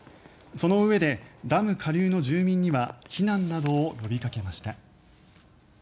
そのうえでダム下流の住民には避難などを呼びかけました。